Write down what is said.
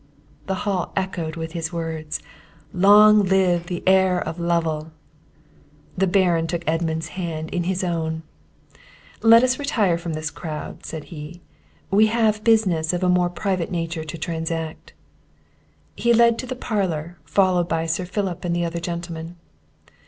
The hall echoed with his words, "Long live the heir of Lovel!" The Baron took Edmund's hands in his own: "Let us retire from this crowd," said he; "we have business of a more private nature to transact." He led to the parlour, followed by Sir Philip and the other gentlemen.